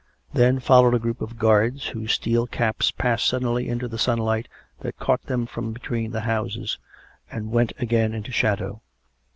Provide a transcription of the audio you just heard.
Then followed a group of guards, whose steel caps passed suddenly into the sunlight that caught them from between the houses, and went again into shadow.